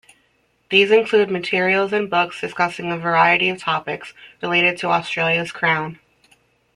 These include materials and books discussing a variety of topics related to Australia's Crown.